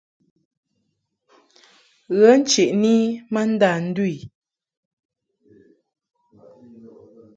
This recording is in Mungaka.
Ghə ncheʼni i ma ndâ ndu i.